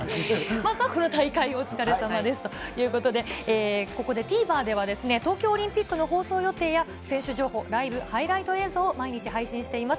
まずはこの大会お疲れさまでしたということで、ここでＴＶｅｒでは、東京オリンピックの放送予定や選手情報、ライブハイライト映像を毎日配信しています。